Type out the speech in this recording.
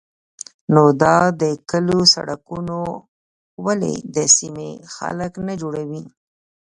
_نو دا د کليو سړکونه ولې د سيمې خلک نه جوړوي؟